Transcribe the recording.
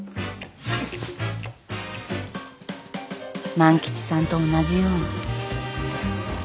万吉さんと同じように。